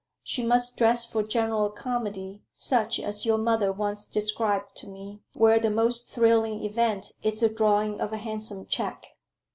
She must dress for general comedy such as your mother once described to me where the most thrilling event is the drawing of a handsome check."